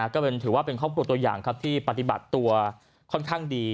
ก็ถือว่าเป็นครอบครัวตัวอย่างครับที่ปฏิบัติตัวค่อนข้างดี